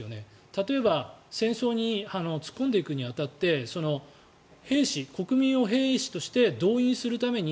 例えば戦争に突っ込んでいくに当たって兵士、国民を兵士として動員するために